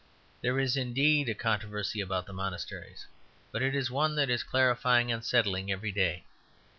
There is indeed a controversy about the monasteries; but it is one that is clarifying and settling every day.